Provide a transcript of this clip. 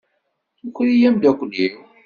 Tuker-iyi amdakel-iw!